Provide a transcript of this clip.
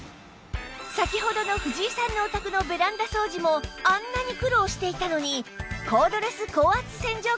先ほどの藤井さんのお宅のベランダ掃除もあんなに苦労していたのに